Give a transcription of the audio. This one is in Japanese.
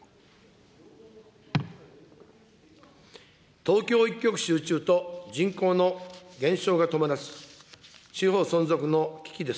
東京一極集中と人口の減少が止まらず、地方存続の危機です。